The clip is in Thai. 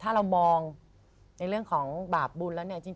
ถ้าเรามองในเรื่องของบาปบุญแล้วเนี่ย